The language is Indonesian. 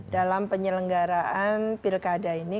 dalam penyelenggaraan pilkada ini